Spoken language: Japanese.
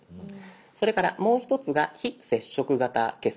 それからもう一つが「非接触型決済」。